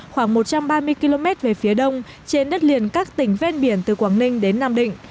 khoảng một trăm ba mươi km về phía đông trên đất liền các tỉnh ven biển từ quảng ninh đến nam định